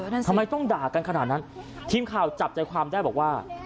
ทำไมต้องด่ากันขนาดนั้นทีมข่าวจับใจความได้บอกว่า